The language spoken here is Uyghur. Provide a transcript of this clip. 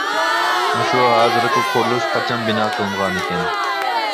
مۇشۇ ھازىرقى قۇرۇلۇش قاچان بىنا قىلىنغانىكەن.